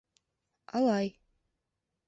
Алай...